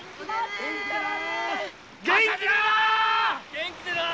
元気でなー！